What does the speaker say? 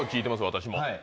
私も。